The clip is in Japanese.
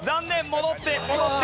戻って戻って。